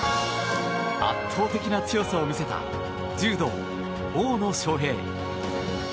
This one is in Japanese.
圧倒的な強さを見せた柔道、大野将平。